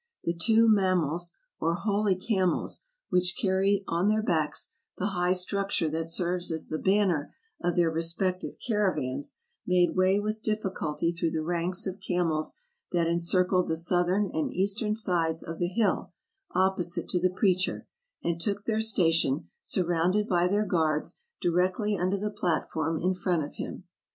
The two mahmals, or holy cam els, which carry on their backs the high structure that serves as the banner of their respective caravans, made way with difficulty through the ranks of camels that encircled the southern and eastern sides of the hill opposite to the preacher, and took their station, surrounded by their guards, directly under the platform in front of him.